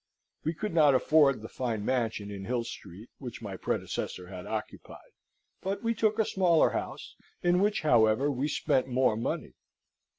We could not afford the fine mansion in Hill Street, which my predecessor had occupied; but we took a smaller house, in which, however, we spent more money.